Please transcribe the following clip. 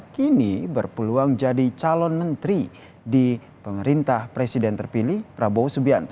kini berpeluang jadi calon menteri di pemerintah presiden terpilih prabowo subianto